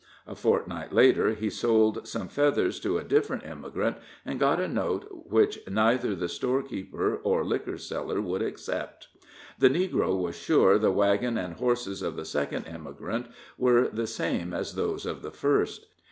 A fortnight later, he sold some feathers to a different emigrant, and got a note which neither the store keeper or liquor seller would accept; the negro was sure the wagon and horses of the second emigrant were the same as those of the first.